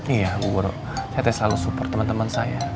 iya bu guru saya selalu support teman teman saya